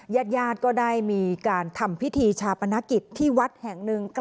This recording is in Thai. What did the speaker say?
ญาติญาติก็ได้มีการทำพิธีชาปนกิจที่วัดแห่งหนึ่ง